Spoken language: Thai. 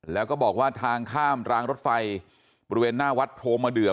แล้วก็บอกว่าทางข้ามรางรถไฟบริเวณหน้าวัดโพมาเดือ